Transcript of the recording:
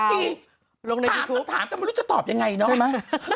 เมื่อกี้ถามก็ไม่รู้จะตอบยังไงเนอะ